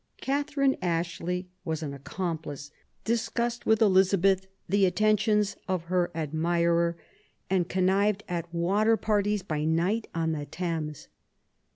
Catherine Ashley was an accomplice, discussed with Elizabeth the attentions of her admirer, and connived at water parties by night on the Thames.